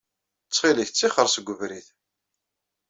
Ttxil-k, ttixer seg webrid.